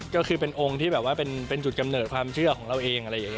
ก็คือเป็นองค์ที่เป็นจุดกำเนิดความเชื่อของเราเอง